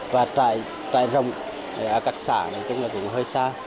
và trại rộng ở các xã cũng hơi xa